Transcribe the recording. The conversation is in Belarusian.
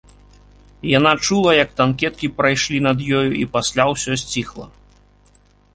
Яна чула, як танкеткі прайшлі над ёю і пасля ўсё сціхла.